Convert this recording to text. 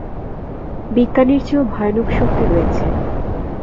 বিজ্ঞানের চেয়েও ভয়ানক শক্তি রয়েছে।